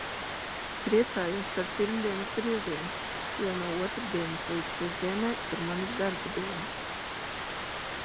Priecājos par pirmdienas brīvdienu, jo no otrdienas līdz sestdienai ir manas darba dienas.